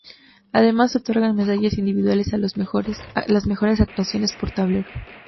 Además se otorgan medallas individuales a las mejores actuaciones por tablero.